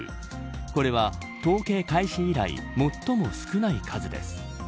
これは統計開始以来最も少ない数です。